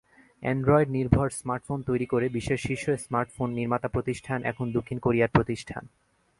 অ্যান্ড্রয়েডনির্ভর smartphone তৈরি করে বিশ্বের শীর্ষ স্মার্টফোন নির্মাতাপ্রতিষ্ঠান এখন দক্ষিণ কোরিয়ার প্রতিষ্ঠান।